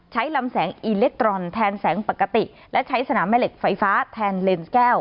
ลำแสงอิเล็กตรอนแทนแสงปกติและใช้สนามแม่เหล็กไฟฟ้าแทนเลนส์แก้ว